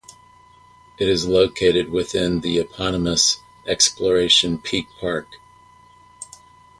It is located within the eponymous Exploration Peak Park.